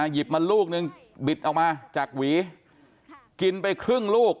หยิบมาลูกนึงบิดออกมาจากหวีกินไปครึ่งลูก